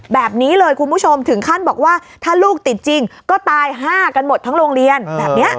แบบนี้เลยคุณผู้ชมถึงขั้นบอกว่าถ้าลูกติดจริงก็ตาย๕กันหมดทั้งโรงเรียนแบบนี้